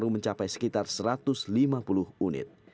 mencapai sekitar satu ratus lima puluh unit